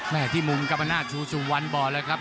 แม่ที่มุมกับอาณาจูซุวันบอร์ดแล้วครับ